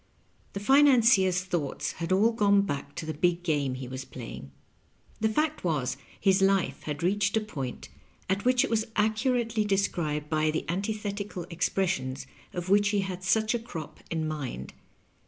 The financier's thoughts had all gone back to the big game he was playing. The fact was, his life had reached a point at which it was accurately described by the antithetical expressions of which he had such a crop in mind.